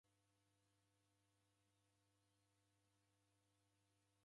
Deko na mndu uandikagha habari mzinyi.